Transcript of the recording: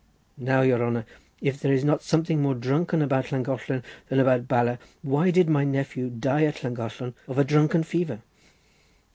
Now, your honour, if there is not something more drunken about Llangollen than about Bala, why did my nephew die at Llangollen of a drunken fever?"